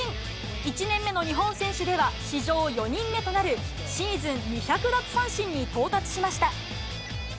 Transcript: １年目の日本選手では、史上４人目となるシーズン２００奪三振に到達しました。